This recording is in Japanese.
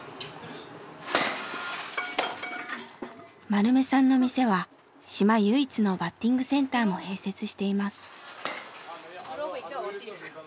丸目さんの店は島唯一のバッティングセンターも併設しています。